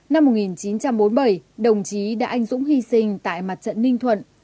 năm một nghìn chín trăm bốn mươi bảy đồng chí đã anh dũng hy sinh tại mặt trận ninh thuận